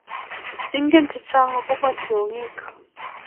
Ingen chechang agoba tyongik